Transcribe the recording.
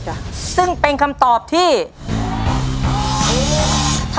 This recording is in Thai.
ใช่นักร้องบ้านนอก